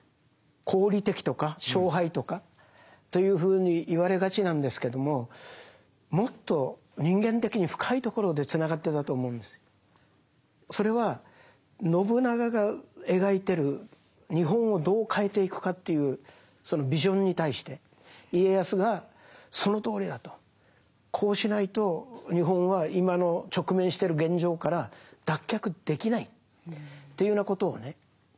功利的とか勝敗とかというふうに言われがちなんですけどももっとそれは信長が描いてる日本をどう変えていくかというそのビジョンに対して家康がそのとおりだとこうしないと日本は今の直面してる現状から脱却できないというようなことをね